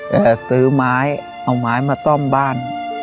จะซื้อไม้เอาไม้มาซ่อมบ้าน